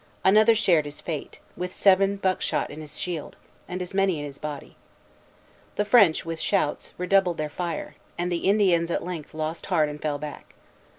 Another shared his fate, with seven buck shot in his shield, and as many in his body. The French, with shouts, redoubled their fire, and the Indians at length lost heart and fell back.